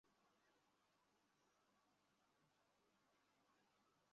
এখানে তোমার কিছুই হবে না।